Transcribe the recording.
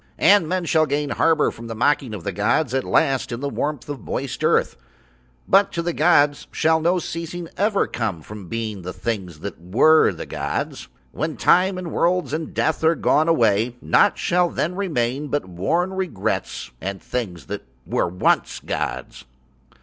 And men shall gain harbour from the mocking of the gods at last in the warm moist earth, but to the gods shall no ceasing ever come from being the Things that were the gods. When Time and worlds and death are gone away nought shall then remain but worn regrets and Things that were once gods.